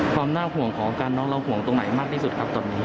ความน่าห่วงของอาการน้องเราห่วงตรงไหนมากที่สุดครับตอนนี้